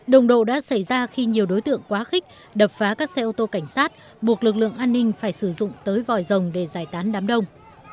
đồng độ đã xảy ra khi nhiều đối tượng quá khích đập phá các xe ô tô cảnh sát buộc lực lượng an ninh phải sử dụng tới vòi rồng để giải tán đám đông